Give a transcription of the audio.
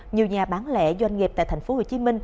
nhiều nhà bán lẻ doanh nghiệp tại tp hcm